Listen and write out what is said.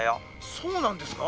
「そうなんですか？」。